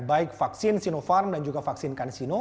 baik vaksin sinopharm dan juga vaksin kansino